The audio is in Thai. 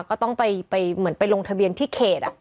ก็ต้องไปลงทะเรียนที่เคท